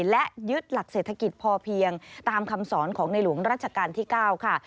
และยึดหลักเศรษฐกิจพอเพียงตามคำสอนของในหลวงรัชกาลที่๙ค่ะ